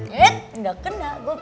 nggak kena gue pake helm